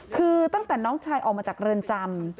คือตั้งแต่น้องชายออกมาจากเรือนจำ